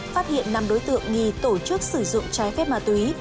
phát hiện năm đối tượng nghi tổ chức sử dụng trái phép ma túy